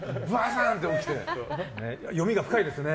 読みが深いですね。